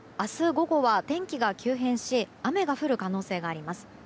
午後は天気が急変し雨が降る可能性があります。